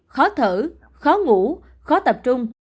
khó thở khó ngủ khó tập trung